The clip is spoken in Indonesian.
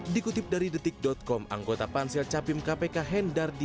dikutip dari detik com anggota pansel capim kpk hendardi